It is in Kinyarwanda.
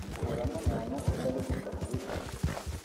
uhura n’umuntu utari kukazi ati